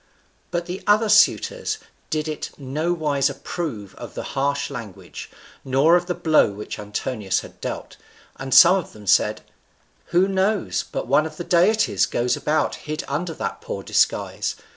But the other suitors did in nowise approve of the harsh language, nor of the blow which Antinous had dealt; and some of them said, "Who knows but one of the deities goes about hid under that poor disguise?